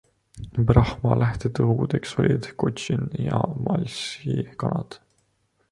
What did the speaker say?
Brahma lähtetõugudeks olid kotšin ja malsi kanad.